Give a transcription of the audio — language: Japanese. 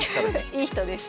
いい人です。